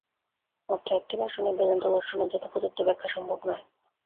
মাত্র একটি ভাষণে বেদান্তদর্শনের যথোপযুক্ত ব্যাখ্যা সম্ভব নয়।